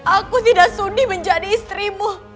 aku tidak sundi menjadi istrimu